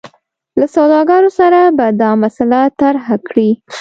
له سوداګرو سره به دا مسله طرحه کړي.